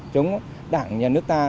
chống đảng nhà nước ta